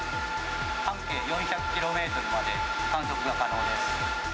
半径４００キロメートルまで、観測が可能です。